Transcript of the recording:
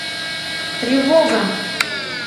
— Тревога!